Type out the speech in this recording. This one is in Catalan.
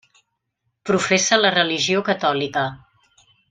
Professa la religió catòlica.